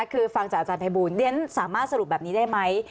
คือฟังจากอาจารย์ภัยบูลเรียนสามารถสรุปแบบนี้ได้ไหม